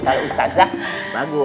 kalo ustazah bagus